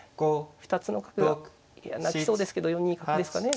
２つの角がいや泣きそうですけど４二角ですかね。